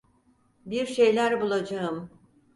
Bir şeyler bulacağım.